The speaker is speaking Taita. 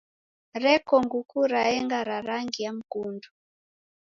Reko nguku raenga ra rangi ya mkundu.